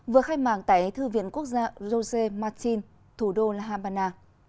vừa khai mạng tại thư viện quốc gia josé martín thủ đô la habana